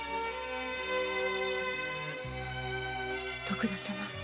徳田様。